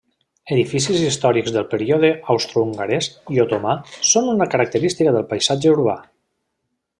Edificis històrics del període austrohongarès i otomà són una característica del paisatge urbà.